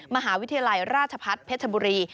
มหาวิทยาลัยราชพัฒน์เพชรบุรี